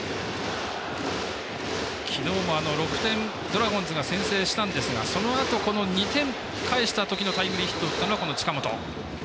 昨日も、ドラゴンズが６点先制したんですがそのあと２点返した時のタイムリーヒットを打ったのがこの近本。